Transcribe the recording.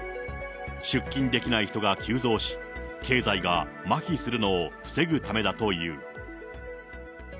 出勤できない人が急増し、経済がまひするのを防ぐためだという。